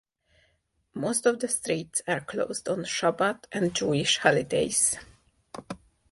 Most of the streets are closed on Shabbat and Jewish holidays.